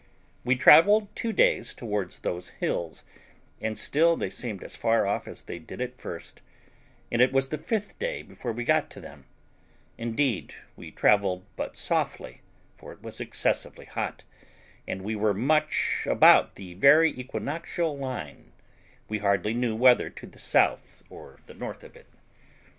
We travelled two days towards those hills, and still they seemed as far off as they did at first, and it was the fifth day before we got to them; indeed, we travelled but softly, for it was excessively hot; and we were much about the very equinoctial line, we hardly knew whether to the south or the north of it.